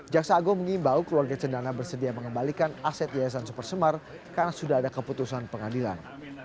jaksa agung mengimbau keluarga cendana bersedia mengembalikan aset yayasan super semar karena sudah ada keputusan pengadilan